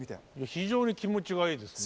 非常に気持ちがいいですね。